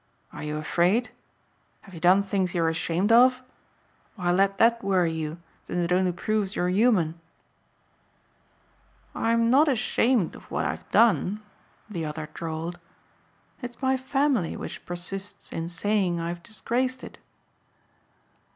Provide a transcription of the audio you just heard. Are you afraid? Have you done things you're ashamed of? Why let that worry you since it only proves you're human." "I'm not ashamed of what I've done," the other drawled, "it's my family which persists in saying I've disgraced it."